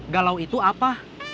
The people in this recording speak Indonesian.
galau itu apa